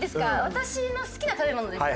私の好きな食べ物ですよね？